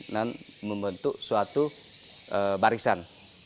dan membentuk suatu barisan